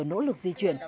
nỗ lực di chuyển